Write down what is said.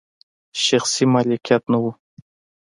شخصي مالکیت نه و.